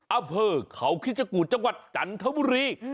อำเภอเขาคิชกุฎจังหวัดจันทบุรี